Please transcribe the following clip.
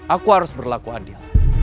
aku harus berlaku adil